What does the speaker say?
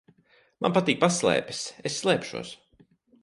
Man patīk paslēpes. Es slēpšos.